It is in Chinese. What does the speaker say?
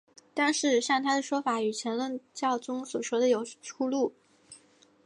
但事实上他的说法与前任教宗所说的有出入。